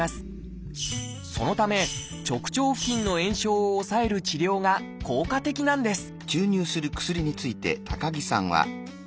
そのため直腸付近の炎症を抑える治療が効果的なんです